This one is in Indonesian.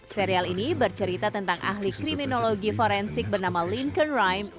serial ini bercerita tentang ahli kriminologi forensik bernama lincon ryme